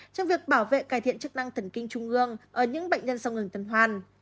trong việc bảo vệ cải thiện chức năng thần kinh trung ương ở những bệnh nhân sau ngừng tuần hoàn